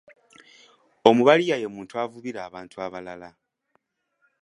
Omubaliya ye muntu avubira abantu abalala.